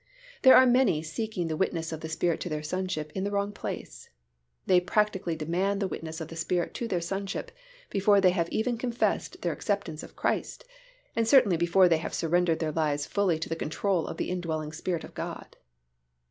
There are many seeking the witness of the Spirit to their sonship in the wrong place. They practically demand the witness of the Spirit to their sonship before they have even confessed their acceptance of Christ, and certainly before they have surrendered their lives fully to the control of the indwelling Spirit of God.